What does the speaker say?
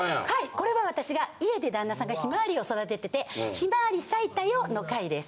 これは私が家で旦那さんがひまわりを育ててて「ひまわり咲いたよ」の会です。